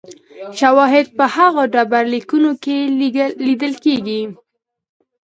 شواهد په هغو ډبرلیکونو کې لیدل کېږي